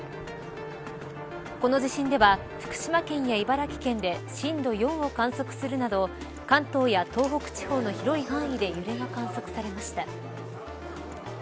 この地震では福島県や茨城県で震度４を観測するなど関東や東北地方の広い範囲で揺れが観測されました。